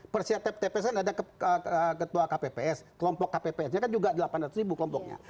persiapan tps kan ada ketua kpps kelompok kpps nya kan juga delapan ratus ribu kelompoknya